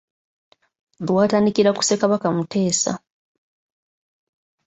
Lwatandikira ku Ssekabaka Muteesa.